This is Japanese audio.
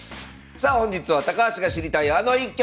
さあ本日は高橋が知りたいあの一局！